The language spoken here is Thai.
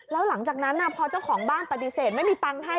แล้วหลังจากนั้นพอเจ้าของบ้านปฏิเสธไม่มีตังค์ให้